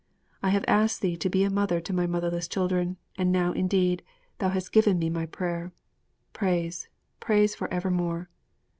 I have asked Thee to be a mother to my motherless children, and now, indeed, Thou hast given me my prayer. Praise, praise for evermore!'